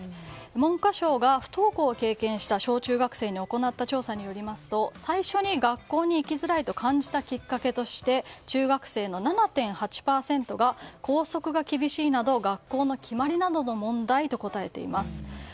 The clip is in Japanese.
文科省が不登校を経験した小中生に行った調査によりますと最初に学校に行きづらいと感じたきっかけとして中学生の７．８％が校則が厳しいなど学校の決まりなどの問題と答えています。